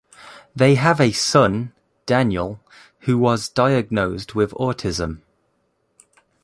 They have a son, Daniel, who was diagnosed with autism.